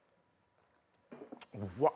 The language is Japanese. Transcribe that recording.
うわっ。